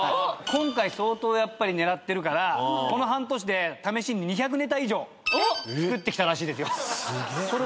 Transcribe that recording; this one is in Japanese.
今回相当やっぱり狙ってるからこの半年で試しに２００ネタ以上作ってきたらしいですよ。